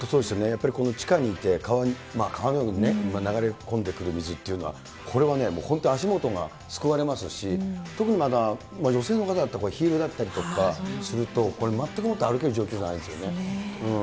やっぱり地下にいて、川に流れ込んでくる水っていうのは、これはね、本当に足元がすくわれますし、特に女性の方だったらこれ、ヒールだったりとかすると、これ全くもって歩ける状況じゃないですよね。